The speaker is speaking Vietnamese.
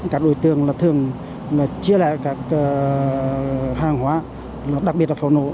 các đối tượng là thường chia lại các hàng hóa đặc biệt là pháo nổ